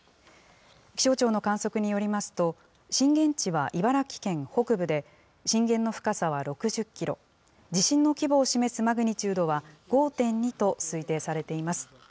気象庁の観測によりますと、震源地は茨城県北部で、震源の深さは６０キロ、地震の規模を示すマグニチュードは５．２と推定されています。